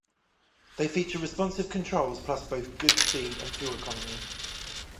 They feature responsive controls plus both good speed and fuel economy.